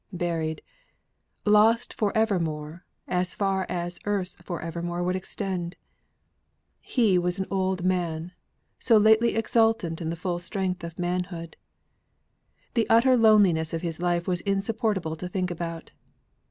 buried! lost for evermore, as far as earth's for evermore would extend. He was an old man, so lately exultant in the full strength of manhood. The utter loneliness of his life was insupportable to think about.